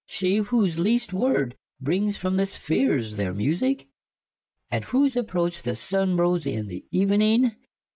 She , whose lest word brings from the spheares their musique. At whose approach the Sunne rose in the evening.